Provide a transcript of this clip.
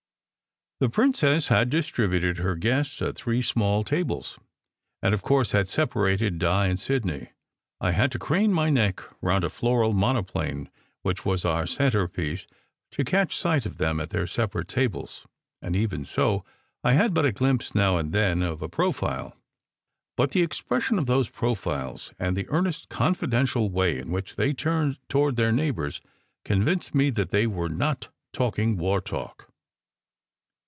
The princess had distributed her guests at three small tables, and, of course, had separated Di and Sidney. I had to crane my head round a floral monoplane, which was our centrepiece, to catch sight of them at their separate tables; and even so, I had but a glimpse now and then of a profile. But the expression of those profiles, and the earnest, confidential way in which they turned toward their neighbours, convinced me that they were not talking war talk.